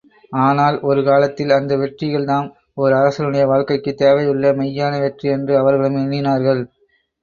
ஆனால், ஒரு காலத்தில் அந்த வெற்றிகள்தாம் ஓர் அரசனுடைய வாழ்க்கைக்குத் தேவையுள்ள மெய்யான வெற்றி என்று அவர்களும் எண்ணினார்கள்.